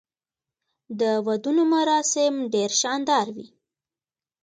د ودونو مراسم ډیر شاندار وي.